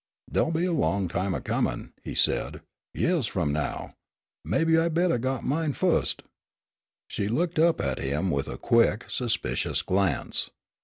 "Dey'll be a long time a comin'," he said; "yeahs f'om now. Mebbe I'd abettah got mine fust." She looked up at him with a quick, suspicious glance.